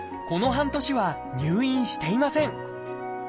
この半年は入院していません。